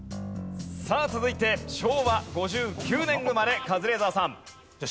さあ続いて昭和５９年生まれカズレーザーさん。